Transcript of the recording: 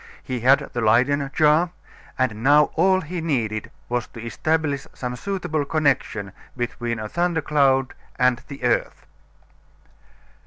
He had the Leyden jar, and now all he needed was to establish some suitable connection between a thunder cloud and the earth.